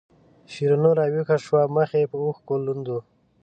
شیرینو راویښه شوه مخ یې په اوښکو لوند و.